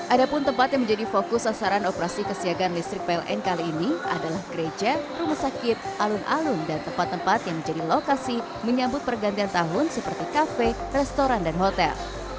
ada pun tempat yang menjadi fokus sasaran operasi kesiagaan listrik pln kali ini adalah gereja rumah sakit alun alun dan tempat tempat yang menjadi lokasi menyambut pergantian tahun seperti kafe restoran dan hotel